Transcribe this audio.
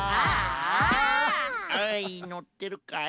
アイのってるかい？